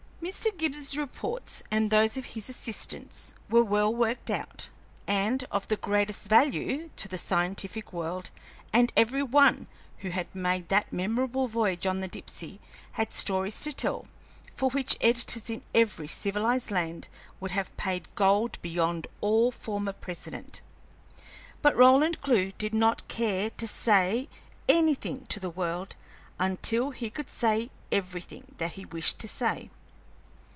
Mr. Gibbs's reports, and those of his assistants, were well worked out, and of the greatest value to the scientific world, and every one who had made that memorable voyage on the Dipsey had stories to tell for which editors in every civilized land would have paid gold beyond all former precedent. But Roland Clewe did not care to say anything to the world until he could say everything that he wished to say.